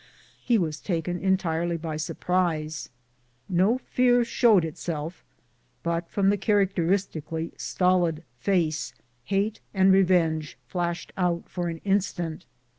He was taken entirely by surprise. No fear showed itself, but from the characteristically 206 BOOTS AND SADDLES. stolid face Late and revenge flashed out for an instant.